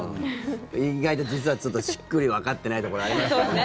意外と実はちょっとしっくりわかってないところそうですね。